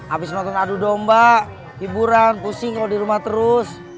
habis nonton adu domba hiburan pusing kalau di rumah terus